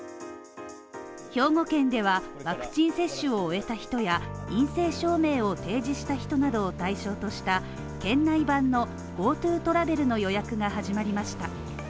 兵庫県では、ワクチン接種を終えた人や陰性証明を提示した人などを対象とした県内版のＧｏＴｏトラベルの予約が始まりました。